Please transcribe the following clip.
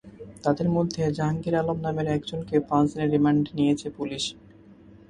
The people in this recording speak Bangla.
তাঁদের মধ্যে জাহাঙ্গীর আলম নামের একজনকে পাঁচ দিনের রিমান্ডে নিয়েছে পুলিশ।